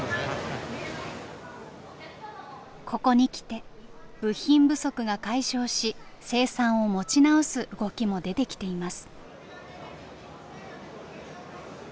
ここに来て部品不足が解消し生産を持ち直す動きも出てきています。